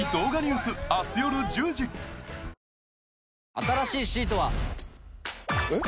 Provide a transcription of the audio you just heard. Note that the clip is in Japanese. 新しいシートは。えっ？